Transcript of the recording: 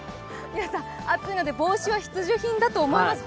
皆さん、暑いので帽子は必需品だと思います。